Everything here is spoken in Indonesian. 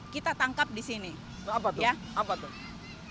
kita tangkap di sini apa tuh